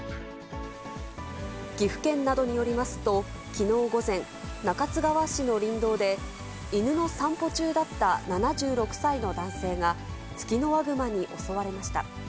岐阜県などによりますと、きのう午前、中津川市の林道で、犬の散歩中だった７６歳の男性が、ツキノワグマに襲われました。